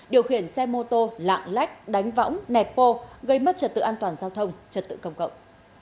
điều khiển xe mô tô lạng lách đánh võng nẹp bô gây mất trật tự an toàn giao thông trật tự công cộng